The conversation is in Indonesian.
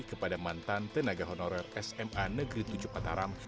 kepada mantan tenaga honorer sma negeri tujuh mataram